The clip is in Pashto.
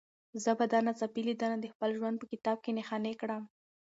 زه به دا ناڅاپي لیدنه د خپل ژوند په کتاب کې نښاني کړم.